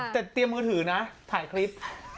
แต่เตรียมมือถือนะถ่ายคลิป